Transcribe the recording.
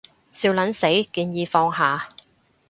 笑撚死，建議放下